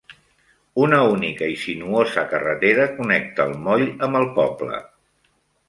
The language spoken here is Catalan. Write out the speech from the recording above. Una única i sinuosa carretera connecta el moll amb el poble.